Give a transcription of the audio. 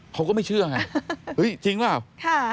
เขาก็ไม่เชื่อไงเฮ้ยจริงเปล่า